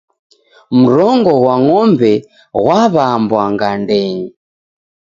Mrongo ghwa ng'ombe ghwaw'ambwa gandenyi